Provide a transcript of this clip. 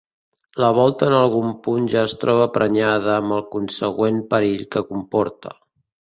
La volta en algun punt ja es troba prenyada amb el consegüent perill que comporta.